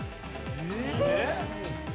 えっ！？